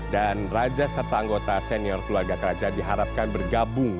dan raja serta anggota senior keluarga kerajaan diharapkan bergabung